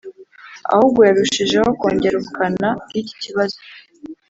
ahubwo yarushijeho kongera ubukana bw’ iki kibazo.